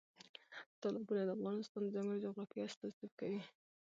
تالابونه د افغانستان د ځانګړي ډول جغرافیه استازیتوب کوي.